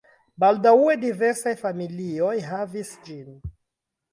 Baldaŭe diversaj familioj havis ĝin.